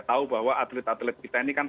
tahu bahwa atlet atlet kita ini kan